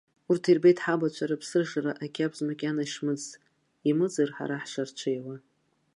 Урҭ ирбеит ҳабацәа рыԥсыжра ақьабз макьана ишмыӡыц, имыӡыр ҳара ҳшарҽеиуа.